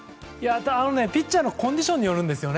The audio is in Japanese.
ピッチャーのコンディションによるんですね。